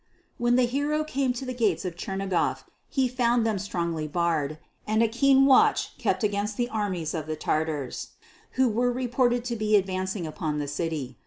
When the hero came to the gates of Chernigof he found them strongly barred, and a keen watch kept against the armies of the Tatars, who were reported to be advancing upon the city.